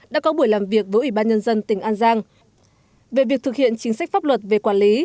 đã có buổi làm việc với ủy ban nhân dân tỉnh an giang về việc thực hiện chính sách pháp luật về quản lý